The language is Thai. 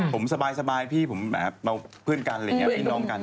ผมสบายพี่ผมแบบเพื่อนกันพี่น้องกัน